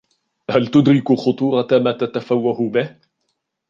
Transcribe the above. هل تُدركُ خطورة ما تتفوّهُ به؟